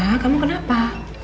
zah kamu kenapa